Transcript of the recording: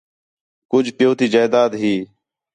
کُج پِیؤ تی جائیداد ہی